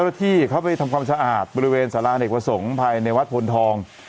ที่เขาไปทำความสะอาดบริเวณสาราเนกประสงค์ภายในวัดพลทอง